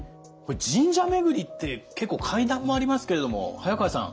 神社めぐりって結構階段もありますけれども早川さん